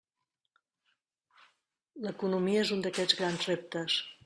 L'economia és un d'aquests grans reptes.